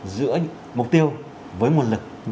giữa mục tiêu với nguồn lực